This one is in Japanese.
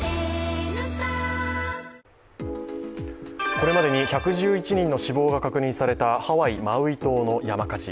これまでに１１１人の死亡が確認されたハワイ・マウイ島の山火事。